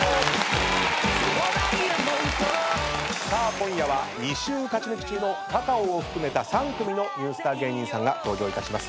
今夜は２週勝ち抜き中のｃａｃａｏを含めた３組のニュースター芸人さんが登場いたします。